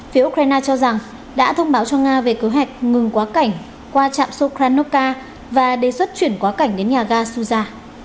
phía ukraine cho rằng đã thông báo cho nga về cơ hệ ngừng quá cảnh qua trạm sokranoka và đề xuất chuyển quá cảnh đến nhà gasuza